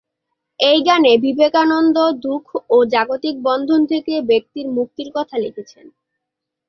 এই গানে বিবেকানন্দ দুঃখ ও জাগতিক বন্ধন থেকে ব্যক্তির মুক্তির কথা লিখেছেন।